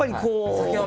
酒は。